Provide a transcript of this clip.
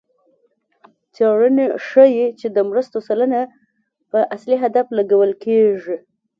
څېړنې ښيي چې د مرستو سلنه په اصلي هدف لګول کېږي.